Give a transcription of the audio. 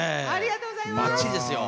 ありがとうございます。